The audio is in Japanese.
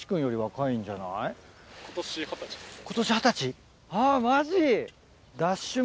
今年二十歳⁉マジ？